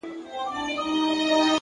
نظم د وخت ساتونکی دی.